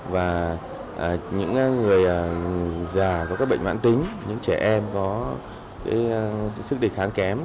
và những người già có các bệnh ngoãn tính những trẻ em có sức đề khán kém